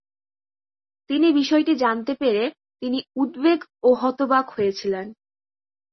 তিনি বিষয়টি জানতে পেরে তিনি "উদ্বেগ ও হতবাক" হয়েছিলেন।